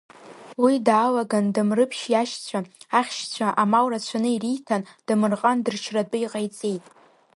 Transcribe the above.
Уи даалаган Дамрыԥшь иашьцәа, ахьшьцәа, амал рацәаны ириҭан, Дамырҟан дыршьратәы иҟаиҵеит.